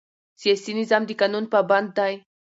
سیاسي نظام د قانون پابند دی